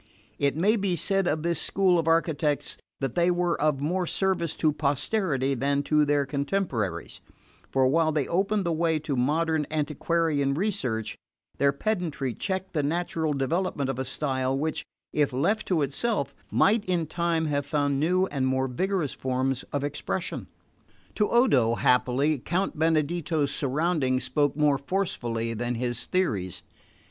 It may be said of this school of architects that they were of more service to posterity than to their contemporaries; for while they opened the way to modern antiquarian research, their pedantry checked the natural development of a style which, if left to itself, might in time have found new and more vigorous forms of expression. To Odo, happily, Count Benedetto's surroundings spoke more forcibly than his theories.